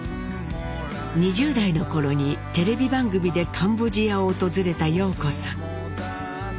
２０代の頃にテレビ番組でカンボジアを訪れた陽子さん。